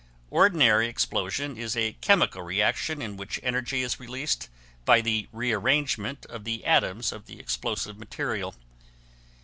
Ordinary explosion is a chemical reaction in which energy is released by the rearrangement of the atoms of the explosive material.